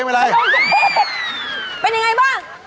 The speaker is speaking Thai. เป็นยังไงบ้าง